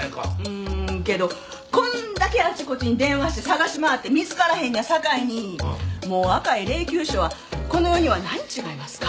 うんけどこんだけあちこちに電話して捜し回って見つからへんのやさかいにもう赤い霊きゅう車はこの世にはないん違いますか？